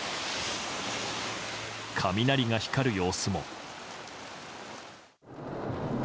雷が光る様子も。